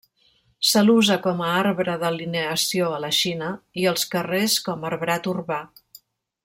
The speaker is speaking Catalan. Se l'usa com a arbre d'alineació a la Xina i als carrers com arbrat urbà.